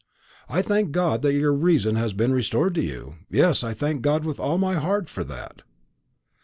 I thank God that your reason has been restored to you; yes, I thank God with all my heart for that."